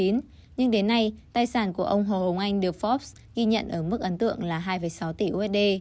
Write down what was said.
nhưng đến nay tài sản của ông hồ hồng anh được forbes ghi nhận ở mức ấn tượng là hai sáu tỷ usd